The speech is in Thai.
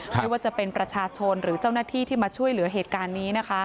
ไม่ว่าจะเป็นประชาชนหรือเจ้าหน้าที่ที่มาช่วยเหลือเหตุการณ์นี้นะคะ